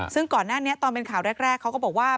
ซึ่งก่อนหน้านี้ตอนเป็นข่าวแรกเขาก็บอกว่า